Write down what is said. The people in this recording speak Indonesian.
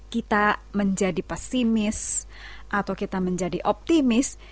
kita menjadi pesimis atau kita menjadi optimis